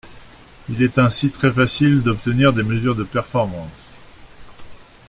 Il est ainsi très facile d’obtenir des mesures de performance.